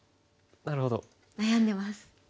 悩んでます。